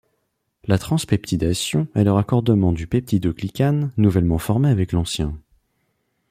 La transpeptidation est le raccordement du peptidoglycane nouvellement formé avec l'ancien.